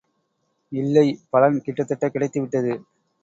இல்லை, பலன் கிட்டத்தட்ட கிடைத்துவிட்டது.